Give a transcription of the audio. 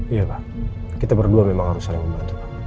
iya pak kita berdua memang harus saling membantu